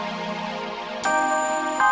si dimas kemana